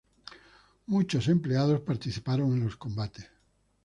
Muchos empleados participaron en los combates.